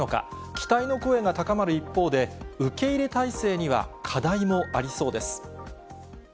期待の声が高まる一方で、受け入れ態勢には課題もありそうです。